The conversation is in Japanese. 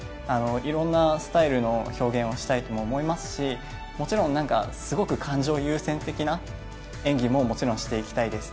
いろんなスタイルの表現をしたいとも思いますし、もちろんすごく感情優先的な演技ももちろんしていきたいです。